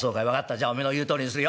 じゃおめえの言うとおりにするよ。